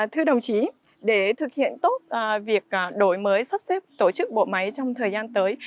thưa đồng chí để thực hiện tốt việc đổi mới sắp xếp tổ chức bộ máy trong thời gian tới